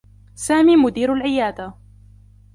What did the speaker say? سامي مدير العيادة.